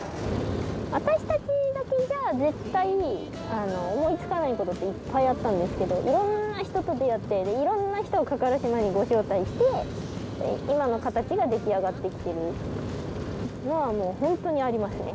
私たちだけじゃ絶対思いつかないことっていっぱいあったんですけど色んな人と出会って色んな人を加唐島にご招待して今の形が出来上がってきてるのはもうホントにありますね